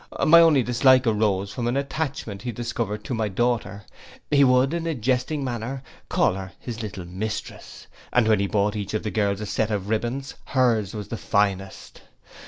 My only dislike arose from an attachment he discovered to my daughter: he would, in a jesting manner, call her his little mistress, and when he bought each of the girls a set of ribbands, hers was the finest.